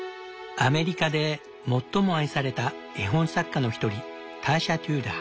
アメリカで最も愛された絵本作家の一人ターシャ・テューダー。